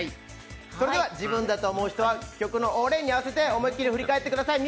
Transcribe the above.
自分だと思う人は曲のオレ！に合わせて思いっきり振り返ってください。